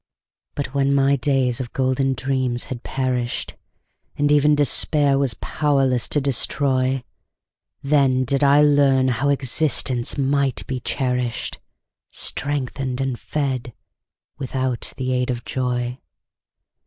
But when my days of golden dreams had perished, And even Despair was powerless to destroy, Then did I learn how existence might be cherished, Strengthened and fed without the aid of joy.